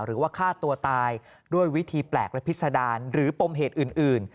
หรือว่าฆ่าตัวตายด้วยวิธีแปลกและพิษดารหรือปมเหตุอื่น